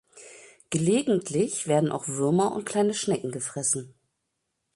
Gelegentlich werden auch Würmer und kleine Schnecken gefressen.